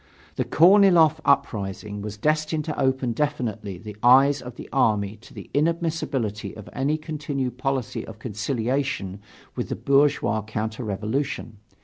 The Korniloff uprising was destined to open definitely the eyes of the army to the inadmissibility of any continued policy of conciliation with the bourgeois counter revolution.